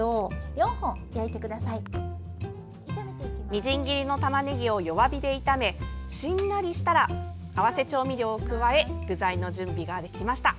みじん切りのたまねぎを弱火で炒め、しんなりしたら合わせ調味料を加え具材の準備ができました。